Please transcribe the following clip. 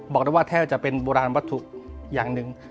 บอกได้ว่าแทบจะเป็นโบราณวัตถุอย่างหนึ่ง